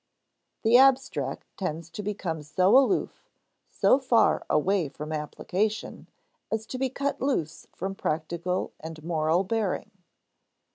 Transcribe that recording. The abstract tends to become so aloof, so far away from application, as to be cut loose from practical and moral bearing.